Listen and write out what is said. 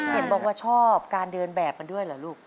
เห็นบอกว่าชอบการเดินแบบกันด้วยเหรอลูก